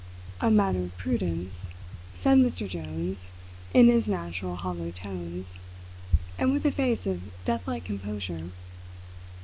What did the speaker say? "A matter of prudence," said Mr. Jones in his natural hollow tones, and with a face of deathlike composure.